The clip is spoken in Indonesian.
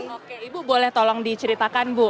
oke ibu boleh tolong diceritakan bu